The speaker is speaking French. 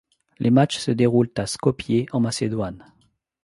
Les matchs se déroulent à Skopje en Macédoine.